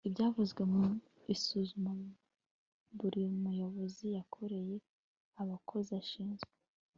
ibyavuye mu isuzuma buri muyobozi yakoreye abakozi ashinzwe